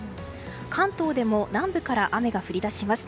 関東でも南部から雨が降り出します。